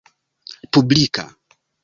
publika